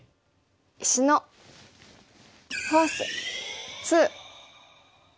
「石のフォース２」。